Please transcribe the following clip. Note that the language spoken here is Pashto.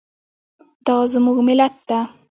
دا زموږ ملت ده